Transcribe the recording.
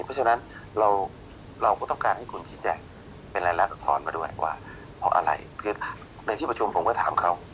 เพราะฉะนั้นเราก็ต้องการให้คุณชี้แจงเป็นรายลักษรมาด้วยว่าเพราะอะไรคือในที่ประชุมผมก็ถามเขา